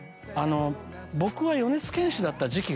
僕は。